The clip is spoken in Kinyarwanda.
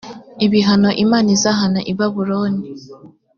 ibihano imana izahana i babuloni